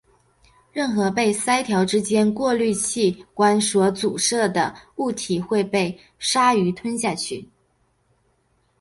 任何被鳃条之间的过滤器官所阻塞的物体会被鲸鲨吞下去。